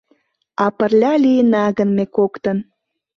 А пырля лийына гын ме коктын